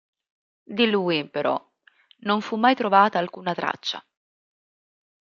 Di lui, però, non fu mai trovata alcuna traccia.